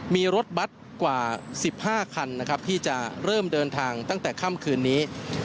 มีรถบัตรกว่า๑๕คันนะครับที่จะเริ่มเดินทางตั้งแต่ค่ำคืนนี้